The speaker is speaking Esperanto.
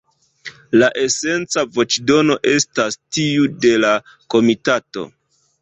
La esenca voĉdono estas tiu de la Komitato.